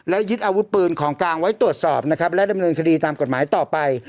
ยึดอาวุธปืนของกลางไว้ตรวจสอบนะครับและดำเนินคดีตามกฎหมายต่อไป